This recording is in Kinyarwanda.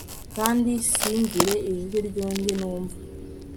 kandi singire ijwi ryundi numva